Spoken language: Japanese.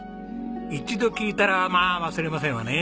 一度聞いたらまあ忘れませんわね。